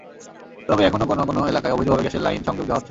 তবে এখনো কোনো কোনো এলাকায় অবৈধভাবে গ্যাসের লাইন সংযোগ দেওয়া হচ্ছে।